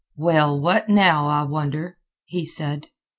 "Well, what now, I wonder?" he said.